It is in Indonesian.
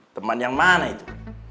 temen yang mana itu